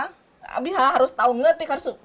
habis harus tahu ngetik harus